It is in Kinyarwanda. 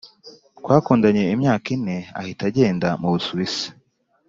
Twakundanye imyaka ine ahita agenda mu busuwisi